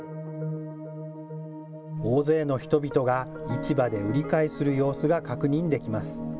大勢の人々が市場で売り買いする様子が確認できます。